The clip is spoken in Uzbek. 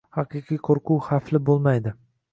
Haqiqiy qoʻrquv xavfli boʻlmaydi.